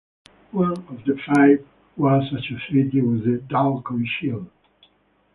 One of the five was associated with the Dalkon Shield.